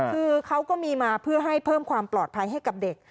คือเขาก็มีมาเพื่อให้เพิ่มความปลอดภัยให้กับเด็ก